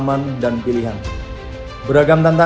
pemerintah provinsi dki jakarta menelan biaya hingga satu triliun rupiah